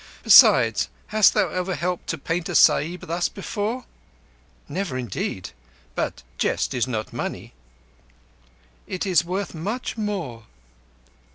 "Besides, hast thou ever helped to paint a Sahib thus before?" "Never indeed. But a jest is not money." "It is worth much more."